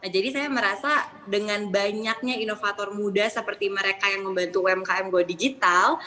jadi saya merasa dengan banyaknya inovator muda seperti mereka yang membantu umkm go digital